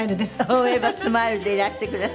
「フォーエバー・スマイル」でいらしてください。